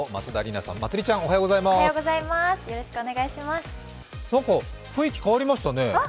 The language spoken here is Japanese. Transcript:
なんか雰囲気変わりましたね？